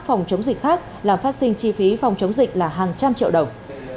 phòng chống dịch khác làm phát sinh chi phí phòng chống dịch là hàng trăm triệu đồng